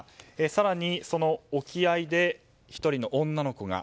更に、その沖合で１人の女の子が。